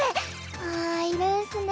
ああいるんっスね